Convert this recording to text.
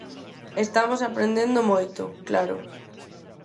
Estamos aprendendo moito, claro.